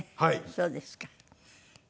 「そうですか」？